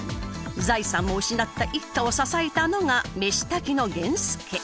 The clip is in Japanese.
財産も失った一家を支えたのが飯炊きの源助。